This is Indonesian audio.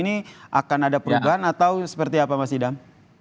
ini akan ada perubahan atau seperti apa mas idam